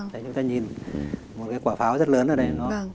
chúng ta nhìn một cái quả pháo rất lớn ở đây